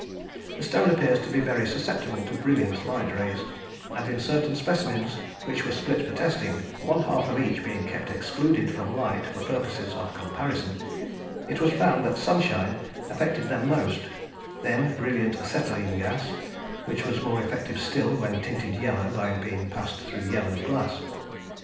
The stone appears to be very susceptible to brilliant light rays, and in certain specimens which were split for testing, one half of each being kept excluded from light for purposes of comparison, it was found that sunshine affected them most; then brilliant acetylene gas, which was more effective still when tinted yellow by being passed through yellow glass.